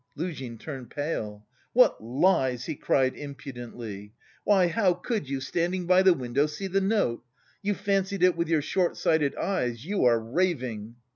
Luzhin turned pale. "What lies!" he cried impudently, "why, how could you, standing by the window, see the note? You fancied it with your short sighted eyes. You are raving!"